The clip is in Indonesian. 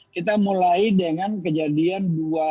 kita mulai dengan kejadian